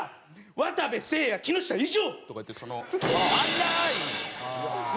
渡部せいや木下以上！」とか言ってその粗いスキャンダルを。